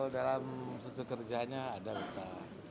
dalam suku kerjanya ada betah